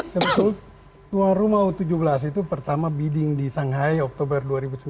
sebetulnya tuan rumah u tujuh belas itu pertama bidding di shanghai oktober dua ribu sembilan belas